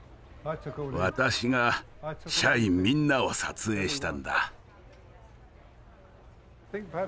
私が社員みんなを撮影したんだ。